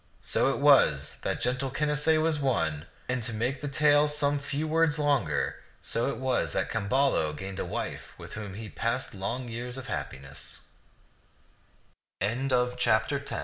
So it was that gentle Canacee was won; and, to make the tale some few words longer, so it was that Camballo gained a wife with whom he passed long years of h